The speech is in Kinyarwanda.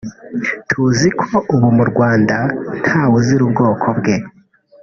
tuziko ubu mu Rwanda ntawe uzira ubwoko bwe